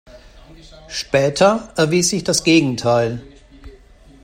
Später erwies sich das Gegenteil.